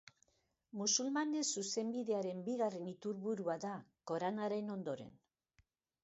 Musulmanen zuzenbidearen bigarren iturburua da Koranaren ondoren.